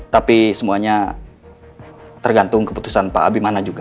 tapi semuanya tergantung keputusan pak abimana juga